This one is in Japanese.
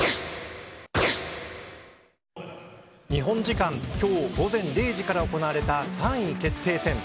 日本時間今日午前０時から行われた３位決定戦。